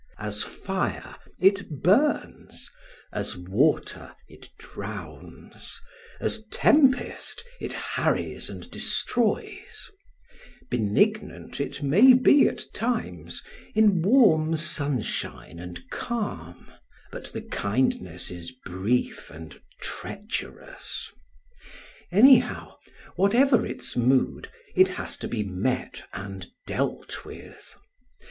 As fire it burns, as water it drowns, as tempest it harries and destroys; benignant it may be at times, in warm sunshine and calm, but the kindness is brief and treacherous. Anyhow, whatever its mood, it has to be met and dealt with.